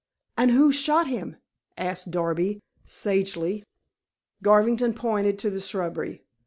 "And who shot him?" asked Darby sagely. Garvington pointed to the shrubbery.